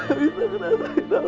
aku gak bisa